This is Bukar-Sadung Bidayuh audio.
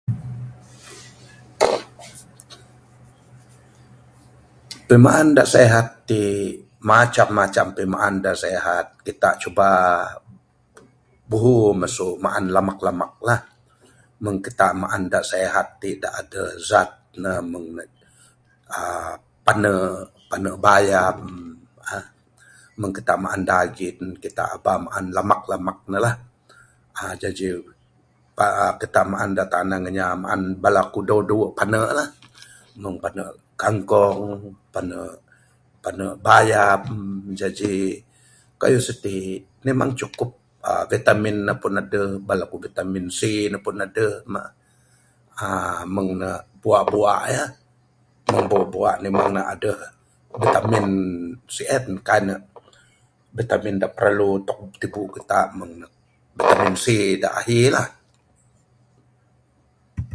Pimaan da sihat ti macam macam pimaan da sihat kita cuba buhu masu maan lamak lamak lah meng kita da maan da sihat ti da adeh zat ne meng ne uhh pane pane bayam. Meng kita maan daging kita aba maan lamak lamak ne lah jaji ba kita maan da tanek inya bala ku dawe dawe pane lah meng pane kangkong pane pane bayam jaji kayuh siti memang cukup vitamin ne pun adeh bala ku vitamin C ne pun adeh mah. uhh meng ne bua bua eh uhh bua bua ne meng adeh vitamin sien kaik ne vitamin da perlu untuk tibu kita tangin vitamin C da ahi lah.